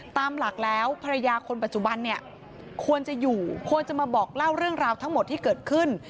ตามหลักแล้วภรรยาคนปัจจุบันเนี่ยควรจะอยู่ควรจะมาบอกเล่าเรื่องราวทั้งหมดที่เกิดขึ้น